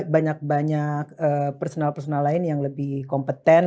banyak banyak personal personal lain yang lebih kompeten